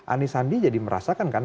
anies sandi jadi merasakan kan